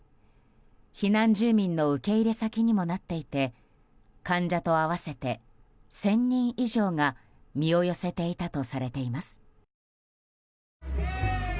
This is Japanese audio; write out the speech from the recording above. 避難住民の受け入れ先にもなっていて患者と合わせて１０００人以上が身を寄せていたとされています。